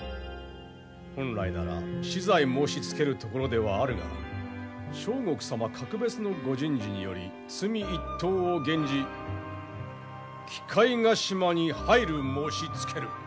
本来なら死罪申しつけるところではあるが相国様格別のご仁慈により罪一等を減じ鬼界ヶ島に配流申しつける。